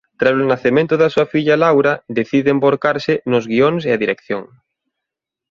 Tralo nacemento da súa filla Laura decide envorcarse nos guións e a dirección.